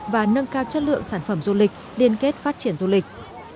và nâng cao chất lượng sản phẩm du lịch liên kết phát triển du lịch